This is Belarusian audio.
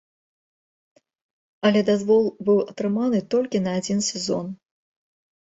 Але дазвол быў атрыманы толькі на адзін сезон.